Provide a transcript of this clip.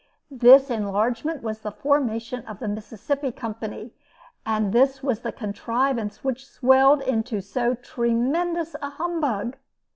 This enlargement was the formation of the Mississippi Company, and this was the contrivance which swelled into so tremendous a humbug.